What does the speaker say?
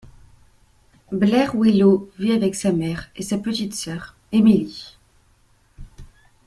Blair Willows vit avec sa mère et sa petite sœur, Emily.